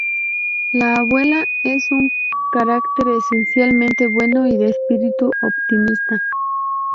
La abuela es un carácter esencialmente bueno y de espíritu optimista.